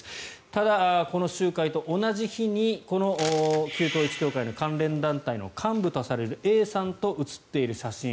ただ、この集会と同じ日に旧統一教会の関連団体の幹部とされるＡさんと写っている写真